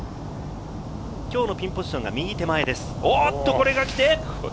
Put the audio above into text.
今日のピンポジションは右手前です。